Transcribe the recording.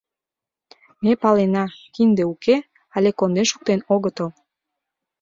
— Ме палена: кинде уке, але конден шуктен огытыл.